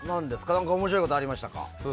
なんか面白いことありましたか？